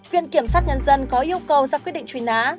viện kiểm sát nhân dân có yêu cầu ra quyết định trùy ná